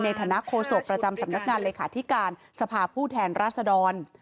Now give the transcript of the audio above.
ในฐานะโคศกประจำสำนักงานเลยคาทิการสภาพผู้แทนราษดร